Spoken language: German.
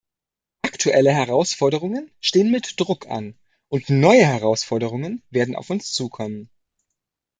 Aktuelle Herausforderungen stehen mit Druck an, und neue Herausforderungen werden auf uns zukommen.